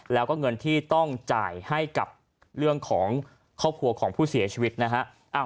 แล้วก็เงินที่ต้องจ่ายให้กับเรื่องของครอบครัวของผู้เสียชีวิตนะฮะ